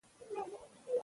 ټولنه د افرادو ټولګه ده.